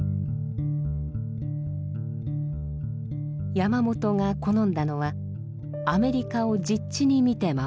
山本が好んだのはアメリカを実地に見て回る事でした。